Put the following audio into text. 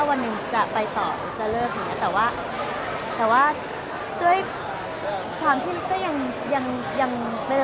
วันนึงจะไปก่อนจะได้เรื่องหรืออะไร